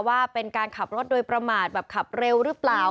ว่าเป็นการขับรถโดยประมาทแบบขับเร็วหรือเปล่า